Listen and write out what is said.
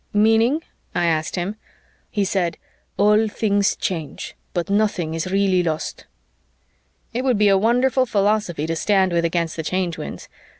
_" "Meaning?" I asked him. He said, "All things change, but nothing is really lost." It would be a wonderful philosophy to stand with against the Change Winds.